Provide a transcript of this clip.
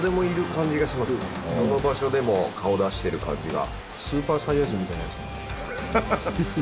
どの場所でも顔を出している感じが。